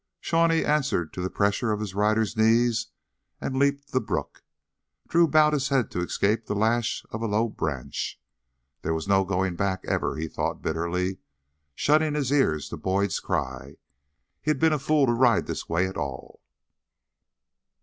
Shawnee answered to the pressure of his rider's knees and leaped the brook. Drew bowed his head to escape the lash of a low branch. There was no going back ever, he thought bitterly, shutting his ears to Boyd's cry. He'd been a fool to ride this way at all.